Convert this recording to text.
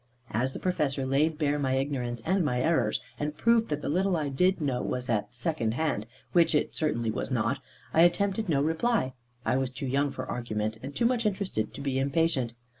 As the Professor laid bare my ignorance and my errors, and proved that the little I did know was at second hand which it certainly was not I attempted no reply; I was too young for argument, and too much interested to be impatient.